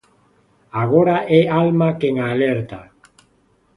Agora é Alma quen a alerta.